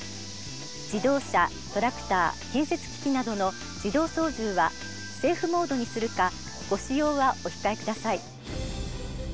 自動車トラクター建設機器などの自動操縦はセーフモードにするかご使用はお控え下さい。